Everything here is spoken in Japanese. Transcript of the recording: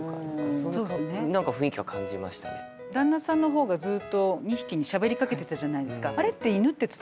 旦那さんの方がずっと２匹にしゃべりかけてたじゃないですか。